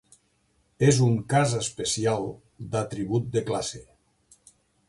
És un cas especial d'atribut de classe.